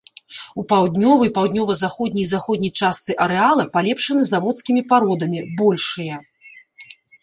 У паўднёвай, паўднёва-заходняй і заходняй частцы арэала палепшаны заводскімі пародамі, большыя.